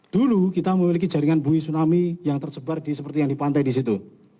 dulu kita memiliki jaringan bui tsunami yang tersebar seperti yang di pantai di situ